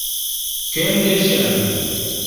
Кӧн дечын?